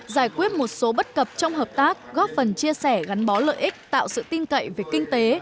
giải quyết một số bất cập trong hợp tác góp phần chia sẻ gắn bó lợi ích tạo sự tin cậy về kinh tế